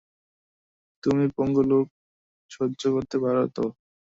তুমি পঙ্গু লোক সহ্য করতে পার তো?